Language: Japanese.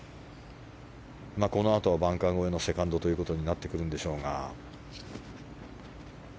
このあとはバンカー越えのセカンドとなってくるんでしょうが。